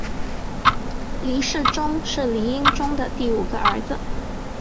黎世宗是黎英宗的第五个儿子。